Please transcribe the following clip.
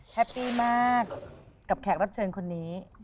แฮปปี้มากกับแขกรับเชิญคนนี้